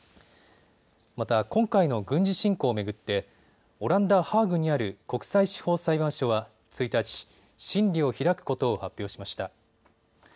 また今回の軍事侵攻を巡ってオランダ・ハーグにある国際司法裁判所は１日、審理を開くことを発表しました。